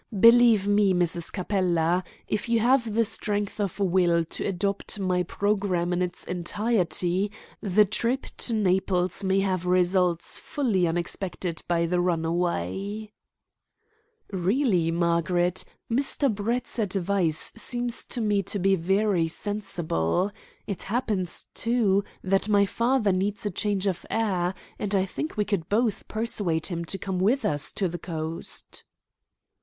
Believe me, Mrs. Capella, if you have strength of will to adopt my programme in its entirety, the trip to Naples may have results wholly unexpected by the runaway." "Really, Margaret, Mr. Brett's advice seems to me to be very sensible. It happens, too, that my father needs a change of air, and I think we could both persuade him to come with us to the coast."